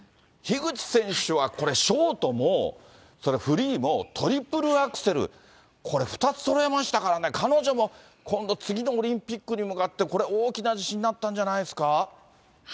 樋口選手はこれ、ショートもそれ、フリーもトリプルアクセル、これ、２つそろえましたからね、彼女も今度、次のオリンピックに向かって、これ、大きな自信になったんじゃないですか。